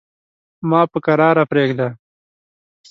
ما په کراره پرېږده.